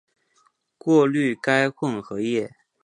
过滤该混合液。